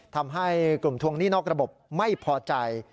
ทำให้กลุ่มทวงหนี้นอกระบบไม่พอใจ